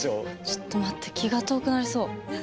ちょっと待って気が遠くなりそう。